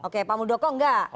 oke pak muldoko nggak